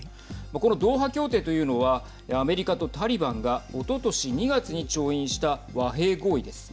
このドーハ協定というのはアメリカとタリバンがおととし２月に調印した和平合意です。